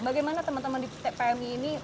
bagaimana teman teman di pmi ini